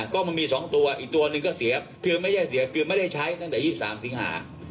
ก็มันมี๒ตัวอีกตัวหนึ่งก็เสียคือไม่ใช่เสียคือไม่ได้ใช้ตั้งแต่๒๓สิงหา